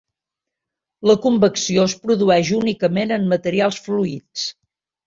La convecció es produeix únicament en materials fluids.